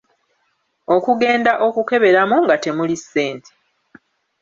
Okugenda okukeberamu nga temuli ssente!